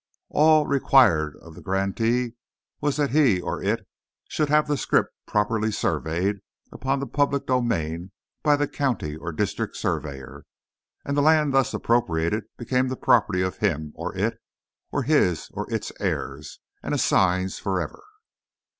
All required of the grantee was that he or it should have the scrip properly surveyed upon the public domain by the county or district surveyor, and the land thus appropriated became the property of him or it, or his or its heirs and assigns, forever.